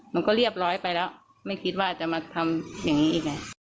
มันก็เรียบร้อยไปแล้วไม่คิดว่าจะมาทำอย่างนี้อีกไง